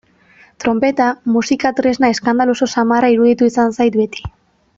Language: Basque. Tronpeta musika tresna eskandaloso samarra iruditu izan zait beti.